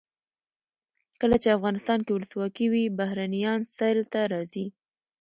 کله چې افغانستان کې ولسواکي وي بهرنیان سیل ته راځي.